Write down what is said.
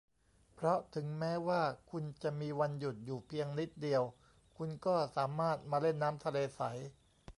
เพราะถึงแม้ว่าคุณจะมีวันหยุดอยู่เพียงนิดเดียว คุณก็สามารถมาเล่นน้ำทะเลใส